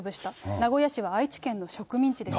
名古屋市は愛知県の植民地ですか？